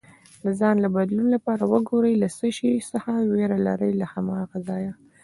د ځان له بدلون لپاره وګوره له څه شي څخه ویره لرې، له هماغه ځایه